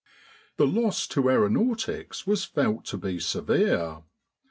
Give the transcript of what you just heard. The loss to aeronautics was felt to be severe.